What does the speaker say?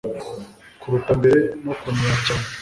kuruta mbere no kuniha cyane